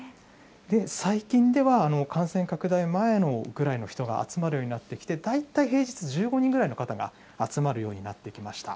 最近では感染拡大前ぐらいの人が集まるようになってきて、大体平日１５人ぐらいの方が集まるようになってきました。